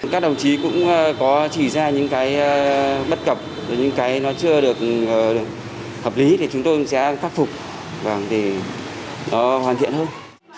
các đồng chí cũng có chỉ ra những cái bất cập những cái nó chưa được hợp lý thì chúng tôi sẽ khắc phục để nó hoàn thiện hơn